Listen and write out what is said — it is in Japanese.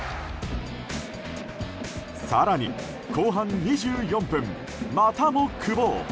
更に、後半２４分またも久保。